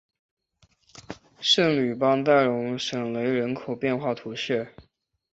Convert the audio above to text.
圣吕班代容什雷人口变化图示